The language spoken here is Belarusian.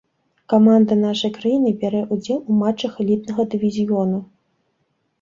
Каманда нашай краіны бярэ ўдзел у матчах элітнага дывізіёну.